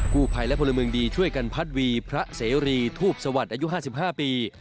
ผู้ภัยและพลเมืองดีช่วยกันพัดวีพระเสรีทูปสวัสดิ์อายุ๕๕ปี